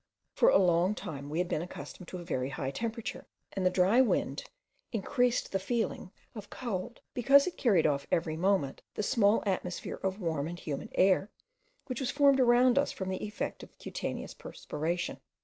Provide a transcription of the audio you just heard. For a long time we had been accustomed to a very high temperature, and the dry wind increased the feeling of cold, because it carried off every moment the small atmosphere of warm and humid air, which was formed around us from the effect of cutaneous perspiration.